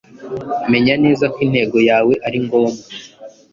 Menya neza ko intego yawe ari ngombwa